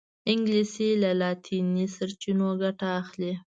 انګلیسي له لاطیني سرچینو ګټه اخلي